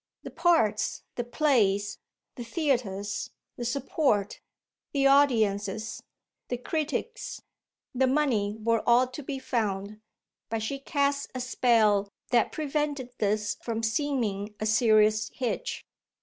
The parts, the plays, the theatres, the "support," the audiences, the critics, the money were all to be found, but she cast a spell that prevented this from seeming a serious hitch.